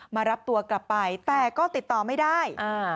มารับตัวกลับไปแต่ก็ติดต่อไม่ได้